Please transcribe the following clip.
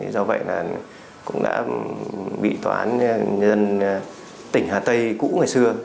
do vậy là cũng đã bị tòa án nhân dân tỉnh hà tây cũ ngày xưa